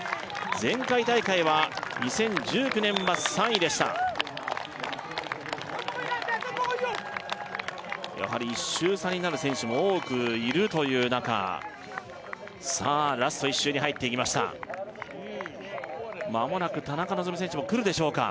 前回大会は２０１９年は３位でしたやはり１周差になる選手も多くいるという中さあラスト１周に入っていきましたまもなく田中希実選手も来るでしょうか